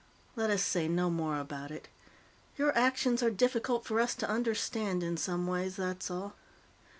"Let us say no more about it. Your actions are difficult for us to understand, in some ways, that's all.